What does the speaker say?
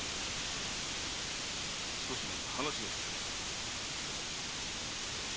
少し話がしたい。